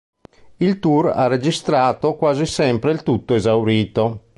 Il tour ha registrato quasi sempre il tutto esaurito.